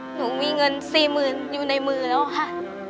หนูมีเงิน๔๐๐๐อยู่ในมือแล้วค่ะ